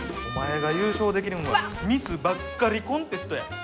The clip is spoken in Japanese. お前が優勝できるんはミスばっかりコンテストや。